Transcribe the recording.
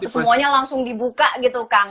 semuanya langsung dibuka gitu kan